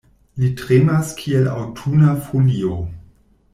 Li tremas kiel aŭtuna folio.